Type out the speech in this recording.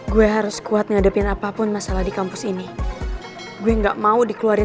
mutri bakalan dapet masalah apa lagi ya